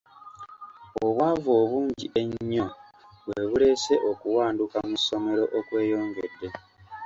Obwavu obungi ennyo bwe buleese okuwanduka mu ssomero okweyongedde.